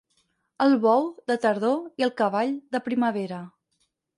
El bou, de tardor, i el cavall, de primavera.